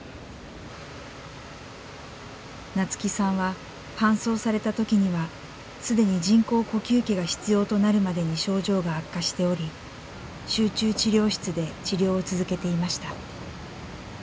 夏輝さんは搬送された時には既に人工呼吸器が必要となるまでに症状が悪化しており集中治療室で治療を続けていました。